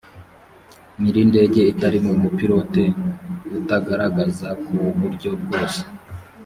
nyir indege itarimo umupilote utagaragaza ku buryo bwose